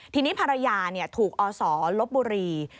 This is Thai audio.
ทีนี้ภรรยาเนี่ยถูกออสอลบบุรี